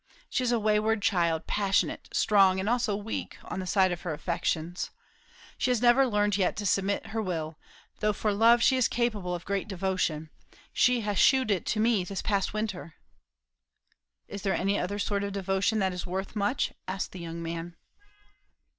She is a wayward child; passionate; strong, and also weak, on the side of her affections. She has never learned yet to submit her will, though for love she is capable of great devotion. She has shewed it to me this past winter." "Is there any other sort of devotion that is worth much?" asked the young man.